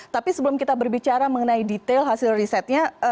tapi sebelum kita berbicara mengenai detail hasil risetnya